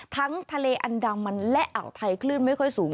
ทั้งทะเลอันดามันและอ่าวไทยคลื่นไม่ค่อยสูง